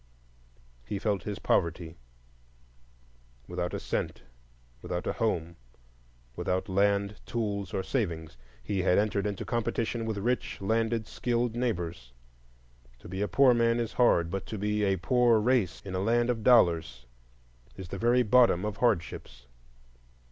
He felt his poverty; without a cent, without a home, without land, tools, or savings, he had entered into competition with rich, landed, skilled neighbors. To be a poor man is hard, but to be a poor race in a land of dollars is the very bottom of hardships.